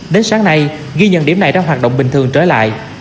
đến sáng nay ghi nhận điểm này đang hoạt động bình thường trở lại